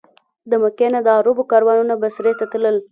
له مکې نه د عربو کاروانونه بصرې ته تلل.